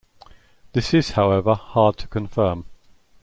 This is however hard to confirm.